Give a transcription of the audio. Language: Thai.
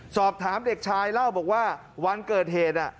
สอบถามเด็กชายเล่าบอกว่าวันเกิดเหตุ